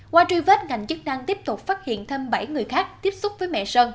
qua truy vết ngành chức năng tiếp tục phát hiện thêm bảy người khác tiếp xúc với mẹ sơn